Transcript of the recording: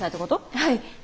はい。